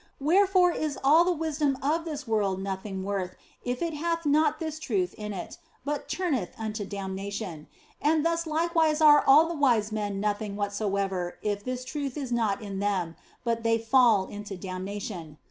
Wherefore is all the wisdom of this world nothing worth if it hath not this truth in it, but turneth unto damnation ; and thus likewise are all the wise men nothing whatsoever if this truth is not in them, but they fall into damnation.